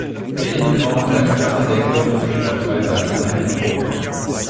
Der Innenraum hat eine flache Decke und trägt auf drei Seiten eine Empore.